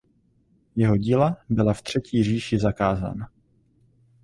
Jeho díla byla v Třetí říši zakázána.